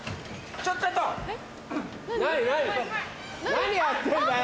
何やってんだよ！